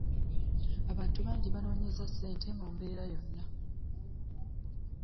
Abantu bangi banonyeza ssente mu mbeera yonna.